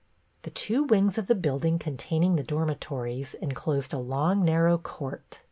The two wings of the building containing the dormitories enclosed a long narrow court.